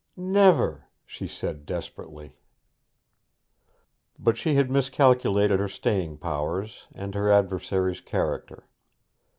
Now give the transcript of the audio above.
'Never!' she said desperately. But she had miscalculated her staying powers, and her adversary's character.